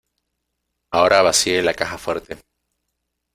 Ahora vacíe la caja fuerte.